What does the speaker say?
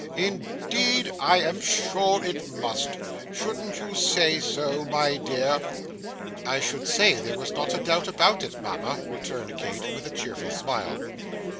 Indeed I am sure it must. Shouldn't you say so, my dear?' 'I should say there was not a doubt about it, mama,' returned Kate, with a cheerful smile.